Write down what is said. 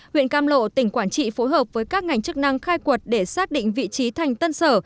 huyện cam lộ tỉnh quảng trị phối hợp với các ngành chức năng khai quật để xác định vị trí thành tân sở